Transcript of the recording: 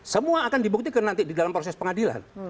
semua akan dibuktikan nanti di dalam proses pengadilan